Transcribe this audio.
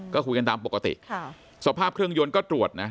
ก็คุยกันตามปกติสภาพเครื่องยนต์ก็ตรวจนะ